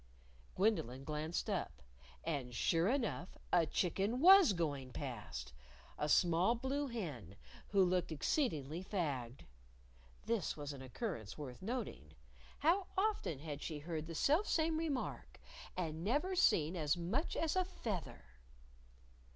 Gwendolyn glanced up. And, sure enough, a chicken was going past a small blue hen, who looked exceedingly fagged. (This was an occurrence worth noting. How often had she heard the selfsame remark and never seen as much as a feather!)